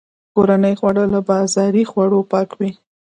کورني خواړه له بازاري خوړو پاک وي.